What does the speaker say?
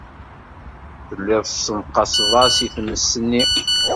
Telliḍ tessenqaseḍ-as i tmes-nni.